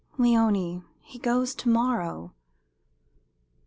"Léonie, he goes to morrow."